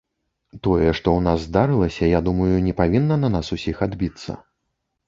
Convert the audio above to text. Тое, што ў нас здарылася, я думаю, не павінна на нас усіх адбіцца.